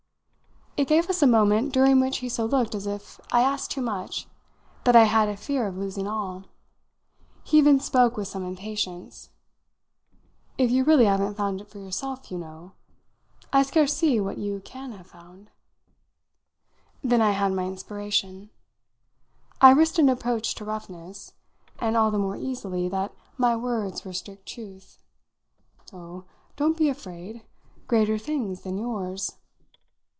It gave us a moment during which he so looked as if I asked too much, that I had a fear of losing all. He even spoke with some impatience. "If you really haven't found it for yourself, you know. I scarce see what you can have found." Then I had my inspiration. I risked an approach to roughness, and all the more easily that my words were strict truth. "Oh, don't be afraid greater things than yours!"